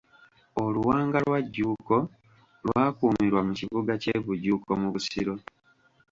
Oluwanga lwa Jjuuko lwakuumirwa mu kibuga kye Bujuuko mu Busiro.